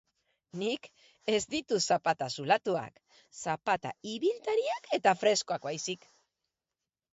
Nik ez ditut zapata zulatuak, zapata ibiltariak eta freskoak baizik.